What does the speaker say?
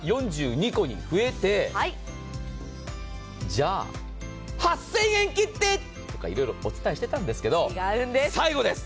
４２個に増えてじゃあ８０００円切ってとかお伝えしてたんですけど最後です！